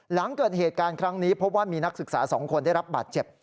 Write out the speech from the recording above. หลังเกิดเหตุการณ์ครั้งนี้พบว่ามีนักศึกษา๒คนได้รับบาดเจ็บ